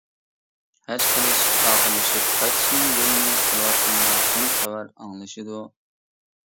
ھەج قىلىش ئاخىرلىشىپ، قايتىشنىڭ يولىنى قىلىۋاتقاندا، شۇم خەۋەر ئاڭلىشىدۇ.